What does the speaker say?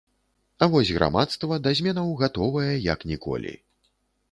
А вось грамадства да зменаў гатовае, як ніколі.